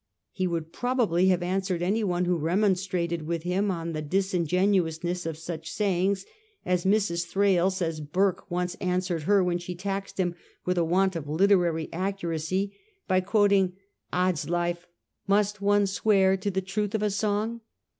He would pro bably have answered anyone who remonstrated with him on the disingenuousness of such sayings as Mrs. Thrale says Burke once answered her when she taxed him with a want of literal accuracy, by quoting ' Odds life, must one swear to the truth of a song